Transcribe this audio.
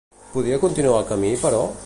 Podia continuar el camí, però?